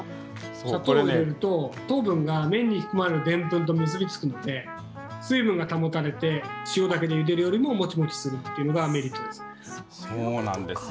砂糖を入れると糖分が麺に含まれるでんぷんと結び付くので、水分が保たれて、塩だけでゆでるよりも、もちもちするというのがそうなんですよ。